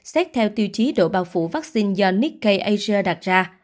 xét theo tiêu chí độ bao phủ vaccine do nikkei asia đặt ra